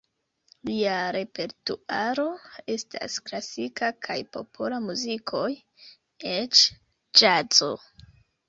Lia repertuaro estas klasika kaj popola muzikoj, eĉ ĵazo.